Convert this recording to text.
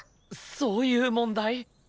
そういう問題？